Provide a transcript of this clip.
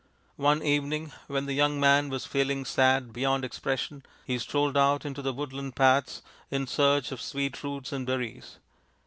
One evening, when the young man was feeling sad beyond expression, he strolled out into the woodland paths in search of sweet roots and berries.